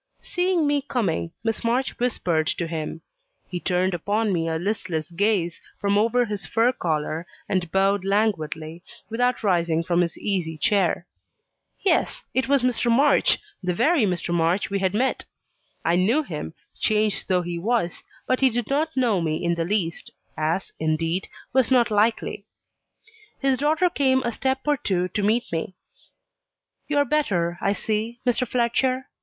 Seeing me coming, Miss March whispered to him; he turned upon me a listless gaze from over his fur collar, and bowed languidly, without rising from his easy chair. Yes, it was Mr. March the very Mr. March we had met! I knew him, changed though he was; but he did not know me in the least, as, indeed, was not likely. His daughter came a step or two to meet me. "You are better, I see, Mr. Fletcher.